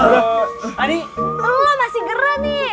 ani lo masih gerah nih